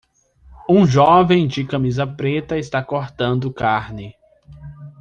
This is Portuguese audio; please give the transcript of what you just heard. Um jovem de camisa preta está cortando carne.